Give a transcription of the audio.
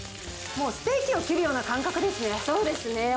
もうステーキを切るような感そうですね、